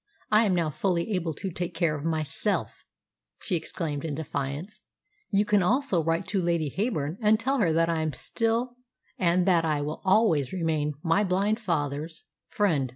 I am now fully able to take care of myself," she exclaimed in defiance. "You can also write to Lady Heyburn, and tell her that I am still, and that I always will remain, my blind father's friend."